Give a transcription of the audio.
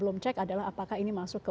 belum cek adalah apakah ini masuk ke